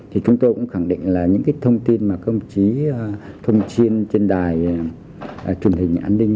thì chúng tôi cũng khẳng định là những cái thông tin mà công chí thông chiên trên đài truyền hình an ninh tivi đời ba của các em học sinh này hoàn toàn đúng